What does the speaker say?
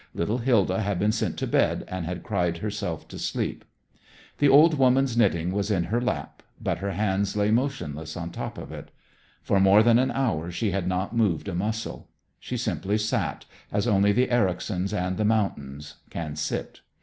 Little Hilda had been sent to bed and had cried herself to sleep. The old woman's knitting was in her lap, but her hands lay motionless on top of it. For more than an hour she had not moved a muscle. She simply sat, as only the Ericsons and the mountains can sit.